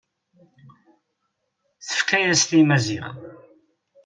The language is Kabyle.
Tefka-yas-t i Maziɣ.